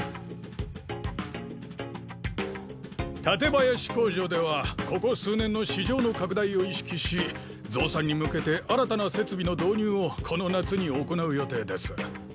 館林工場ではここ数年の市場の拡大を意識し増産に向けて新たな設備の導入をこの夏に行う予定です。